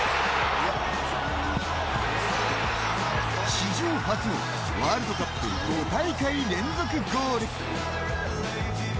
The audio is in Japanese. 史上初のワールドカップ５大会連続ゴール。